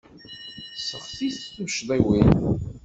Sseɣtit tuccḍiwin.